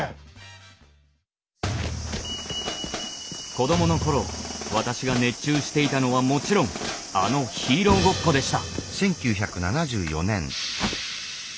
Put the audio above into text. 子どもの頃私が熱中していたのはもちろんあのヒーローごっこでした。